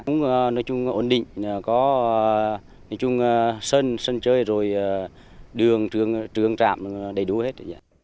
nói chung ổn định có sân sân chơi rồi đường trường trạm đầy đủ hết